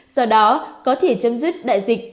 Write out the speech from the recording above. do đó có thể chấm dứt đại dịch